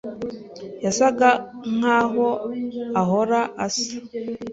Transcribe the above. yasaga nkaho ahora asa.